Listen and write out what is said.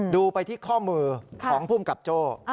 ดูไปที่ข้อมือของภูมิกับโจ้